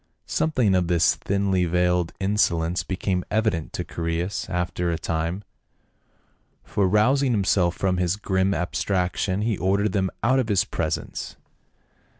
Something of this thinly veiled insolence became evident to Chaereas after a time, for rousing himself from his grim abstraction he ordered them out of his presence.